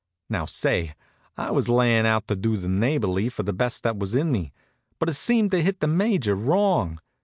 Now, say, I was layin' out to do the neighborly for the best that was in me; but it seemed to hit the Major wrong.